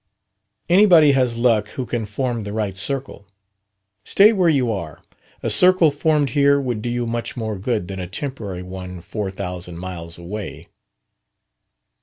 "Anybody has luck who can form the right circle. Stay where you are. A circle formed here would do you much more good than a temporary one four thousand miles away."